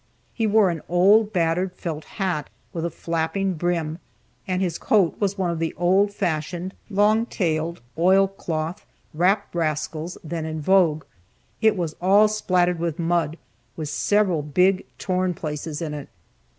He wore an old battered felt hat, with a flapping brim, and his coat was one of the old fashioned, long tailed oil cloth "wrap rascals" then in vogue. It was all splattered with mud, with several big torn places in it.